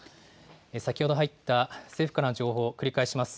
先ほど入った政府からの情報を繰り返します。